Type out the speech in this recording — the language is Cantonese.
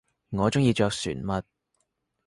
我中意着船襪